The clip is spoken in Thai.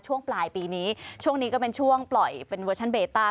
ช่วงปลายปีนี้ช่วงนี้ก็เป็นช่วงปล่อยเป็นเวอร์ชันเบต้า